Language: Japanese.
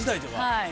はい。